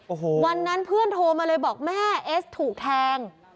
โอ้โหวันนั้นเพื่อนโทรมาเลยบอกแม่เอสถูกแทง